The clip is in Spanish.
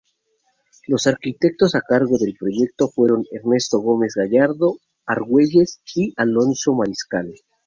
Los arquitectos a cargo del proyecto fueron Ernesto Gómez Gallardo Argüelles y Alonso Mariscal.